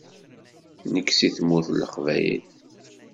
Nekk seg Tmurt n Leqbayel.